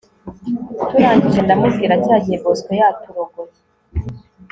turangije ndamubwira cyagihe bosco yaturogoye